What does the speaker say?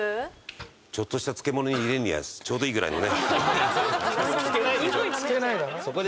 ちょっとした漬物入れるにはちょうどいいぐらいのね。